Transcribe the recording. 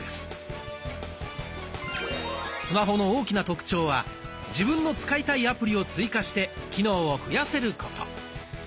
スマホの大きな特徴は自分の使いたいアプリを追加して機能を増やせること。